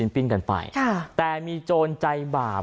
ไปแต่มีโจรใจบาป